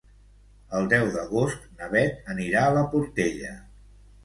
El deu d'agost na Beth anirà a la Portella.